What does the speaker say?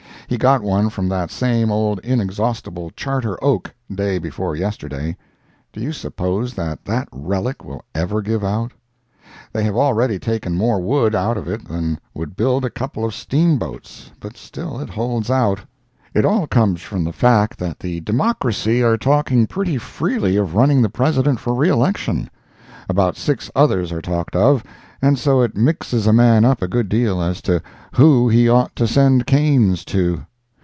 He got one from that same old inexhaustible Charter Oak, day before yesterday. Do you suppose that that relic will ever give out? They have already taken more wood out of it than would build a couple of steamboats, but still it holds out. It all comes from the fact that the Democracy are talking pretty freely of running the President for reelection. About six others are talked of, and so it mixes a man up a good deal as to who he ought to send canes to.